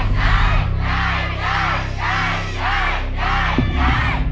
เจ๊เจ๊เจ๊เจ๊